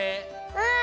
うん！